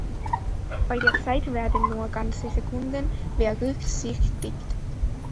Bei der Zeit werden nur ganze Sekunden berücksichtigt.